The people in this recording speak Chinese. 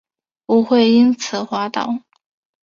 不会因此滑倒